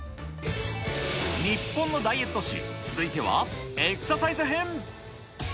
日本のダイエット史、続いては、エクササイズ編。